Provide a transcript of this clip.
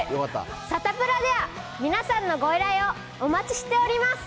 サタプラでは、皆さんのご依頼をお待ちしております。